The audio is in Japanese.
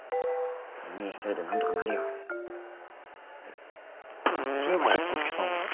おにぃ一人でなんとかなるよ。ってそういえば五色さんは？